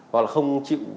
hoặc là không chịu